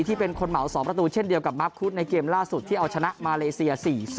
ที่เป็นคนเหมา๒ประตูเช่นเดียวกับมาร์คคุดในเกมล่าสุดที่เอาชนะมาเลเซีย๔๐